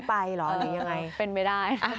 เป็นไม่ได้